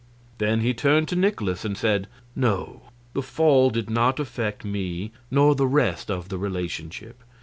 Then he turned to Nikolaus and said: "No, the Fall did not affect me nor the rest of the relationship.